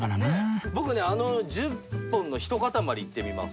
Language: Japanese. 僕ねあの１０本のひとかたまりいってみます。